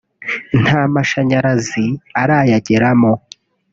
nta mashanyarazi arayageramo